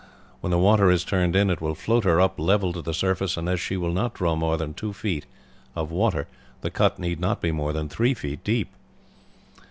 When the water is turned in it will float her up level to the surface, and as she will not draw more than two feet of water the cut need not be more than three feet deep."